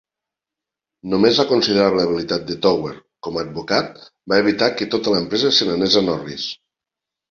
Només la considerable habilitat de Tower com a advocat va evitar que tota l'empresa se n'anés en orris.